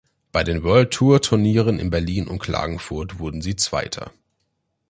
Bei den World-Tour-Turnieren in Berlin und Klagenfurt wurden sie Zweiter.